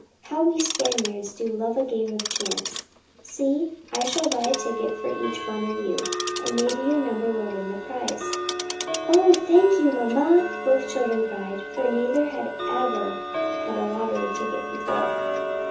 How we Spaniards do love a game of chance ! See, I shall buy a ticket for each one of you, and maybe your number will win the prize." " Oh, thank you, mamma !" both children cried, for neither had ever had a lottery ticket before.